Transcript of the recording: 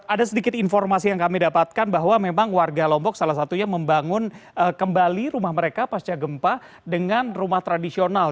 ada sedikit informasi yang kami dapatkan bahwa memang warga lombok salah satunya membangun kembali rumah mereka pasca gempa dengan rumah tradisional